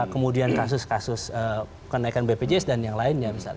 kemudian kasus kasus kenaikan bpjs dan yang lainnya